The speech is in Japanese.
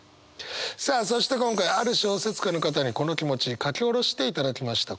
さあそして今回ある小説家の方にこの気持ち書き下ろしていただきました。